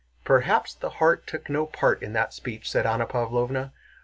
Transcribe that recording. '" "Perhaps the heart took no part in that speech," said Anna Pávlovna.